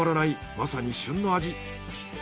まさに旬の味。